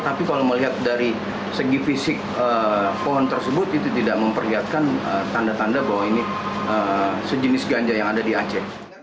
tapi kalau melihat dari segi fisik pohon tersebut itu tidak memperlihatkan tanda tanda bahwa ini sejenis ganja yang ada di aceh